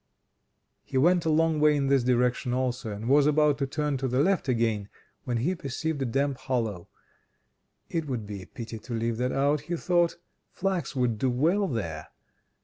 He went a long way in this direction also, and was about to turn to the left again, when he perceived a damp hollow: "It would be a pity to leave that out," he thought. "Flax would do well there."